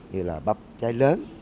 như là bắp trái lớn